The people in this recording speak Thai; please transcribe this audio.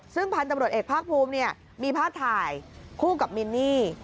ซึ่งพันธุ์ตำรวจเอกภาคภูมิมีภาพถ่ายคู่กับมินนี่